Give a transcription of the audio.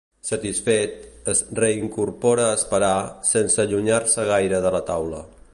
Satisfet, es reincorpora a esperar, sense allunyar-se gaire de la taula.